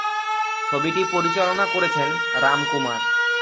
ছবিটি পরিচালনা করেছেন রাম কুমার।